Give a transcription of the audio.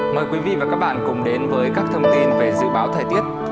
mời quý vị và các bạn cùng đến với các thông tin về dự báo thời tiết